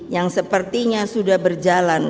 yang sepertinya sudah berjalan